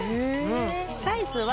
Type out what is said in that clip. サイズは。